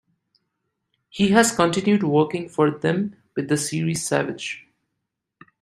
He has continued working for them with the series "Savage".